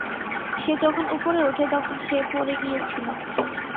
সে যখন উপরে উঠে, তখন সে পড়ে গিয়েছিল।